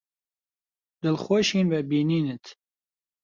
دڵخۆشین بە بینینت.